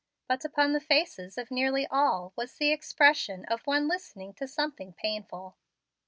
But upon the faces of nearly all was the expression of one listening to something painful.